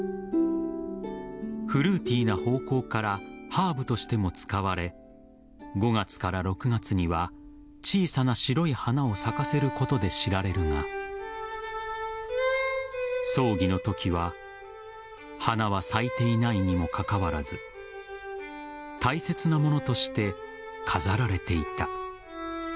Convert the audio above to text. フルーティーな芳香からハーブとしても使われ５月から６月には小さな白い花を咲かせることで知られるが葬儀のときは花は咲いていないにもかかわらず大切なものとして飾られていた。